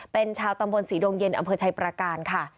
เป็นชาวตำบลศรีดงเย็นอำเภอชัยประการค่ะ